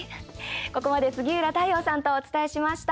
ここまで杉浦太陽さんとお伝えしました。